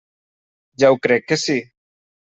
Ja ho crec que sí!